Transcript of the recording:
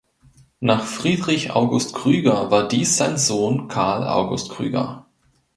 Nach Friedrich August Krüger war dies sein Sohn Karl August Krüger.